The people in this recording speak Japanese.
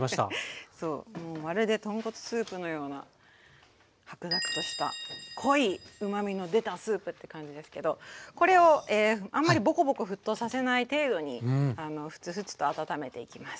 まるで豚骨スープのような白濁とした濃いうまみの出たスープって感じですけどこれをあんまりボコボコ沸騰させない程度にフツフツと温めていきます。